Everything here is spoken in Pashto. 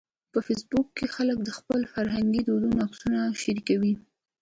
په فېسبوک کې خلک د خپلو فرهنګي دودونو عکسونه شریکوي